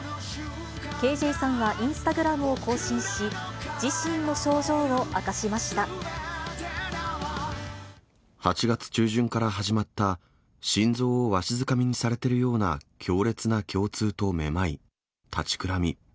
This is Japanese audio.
Ｋｊさんはインスタグラムを更新し、８月中旬から始まった、心臓をわしづかみにされてるような強烈な胸痛とめまい、立ちくらみ。